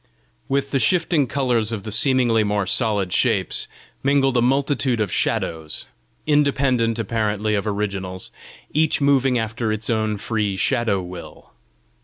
With the shifting colours of the seemingly more solid shapes, mingled a multitude of shadows, independent apparently of originals, each moving after its own free shadow will.